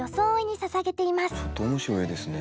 ちょっと面白い絵ですね。